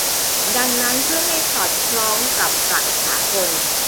ดังนั้น เพื่อให้สอดคล้องกับหลักสากล